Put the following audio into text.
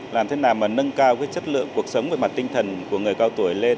làm thế nào mà nâng cao cái chất lượng cuộc sống về mặt tinh thần của người cao tuổi lên